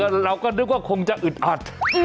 เราก็นึกว่าคงจะอึดอัด